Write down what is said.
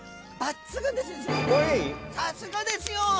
さすがですよ！